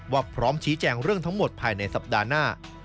พร้อมชี้แจงเรื่องทั้งหมดภายในสัปดาห์หน้า